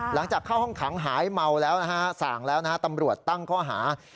หลังจากเข้าห้องขังหายเมาแล้วนะฮะสั่งแล้วนะฮะตำรวจตั้งข้อหา